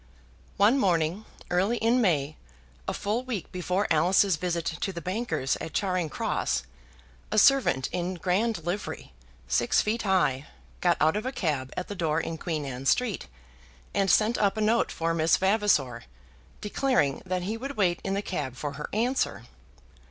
One morning, early in May, a full week before Alice's visit to the bankers' at Charing Cross, a servant in grand livery, six feet high, got out of a cab at the door in Queen Anne Street, and sent up a note for Miss Vavasor, declaring that he would wait in the cab for her answer.